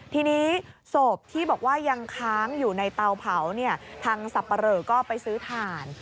ทีนี้ศพที่บอกว่ายังค้างอยู่ในเตาเผาเนี่ยทางสับปะเหลอก็ไปซื้อถ่าน